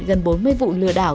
gần bốn mươi vụ lừa đảo